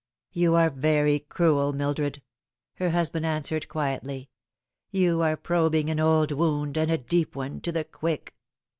" You are very cruel, Mildred," her husband answered quietly. " You are probing an old wound, and a deep one, to the quick.